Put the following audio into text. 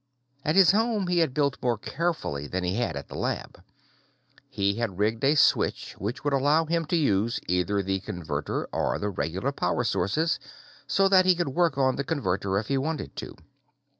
At his home, he had built more carefully than he had at the lab. He had rigged in a switch which would allow him to use either the Converter or the regular power sources, so that he could work on the Converter if he wanted to.